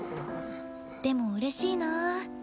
でもうれしいなぁ。